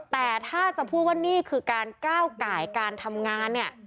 แต่ถ้าจะพูดว่านี่คือการก้าวไก่การทำงานเนี่ย